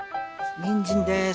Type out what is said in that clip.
にんじんです。